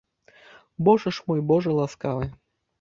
Божа ж мой, божа ласкавы!